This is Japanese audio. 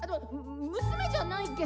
・む娘じゃないけど。